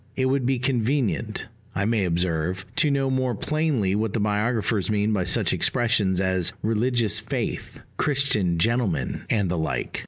It would be convenient, I may observe, to know more plainly what the biographers mean by such expressions as "religious faith," "Christian gentleman," and the like.